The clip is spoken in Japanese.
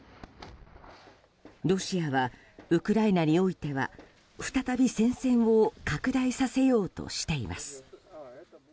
ロシアはウクライナにおいては再び戦線を拡大させようとしています。